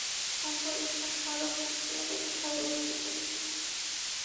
তারপর ইসলাম পালক পুত্রের প্রথা রহিত করে দিল।